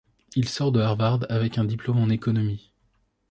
Il sort de Harvard avec un diplôme en économie.